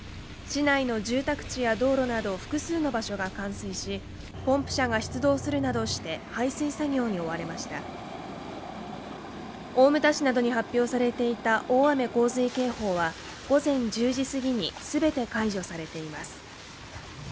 市内の住宅地や道路など複数の場所が冠水しポンプ車が出動するなどして排水作業に追われました大牟田市などに発表されていた大雨洪水警報は午前１０時過ぎにすべて解除されています